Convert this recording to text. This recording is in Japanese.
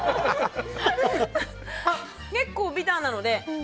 あっ、結構ビターなので。